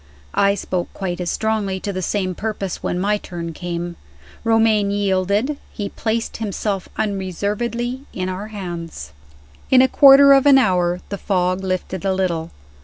I spoke quite as strongly, to the same purpose, when my turn came. Romayne yielded he placed himself unreservedly in our hands. In a quarter of an hour the fog lifted a little.